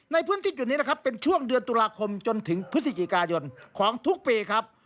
ในพื้นที่จุดนี้นะครับเป็นช่วงเดือนตุลาคมจนถึงพฤศจิกายนของทุกปีครับ